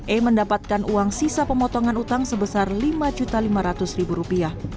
e mendapatkan uang sisa pemotongan utang sebesar rp lima lima ratus